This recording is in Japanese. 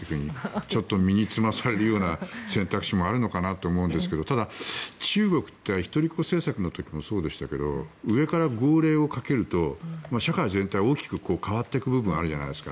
ちょっと身につまされるような選択肢もあるのかなと思うんですがただ中国って一人っ子政策の時もそうでしたが上から号令をかけると社会全体が大きく変わってく部分があるじゃないですか。